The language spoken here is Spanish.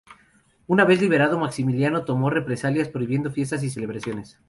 Una vez liberado, Maximiliano tomó represalias prohibiendo fiestas y celebraciones.